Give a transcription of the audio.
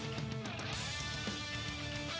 มีความรู้สึกว่า